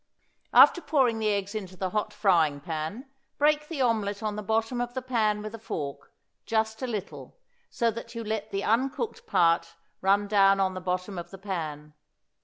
After pouring the eggs into the hot frying pan break the omelette on the bottom of the pan with a fork, just a little, so that you let the uncooked part run down on the bottom of the pan.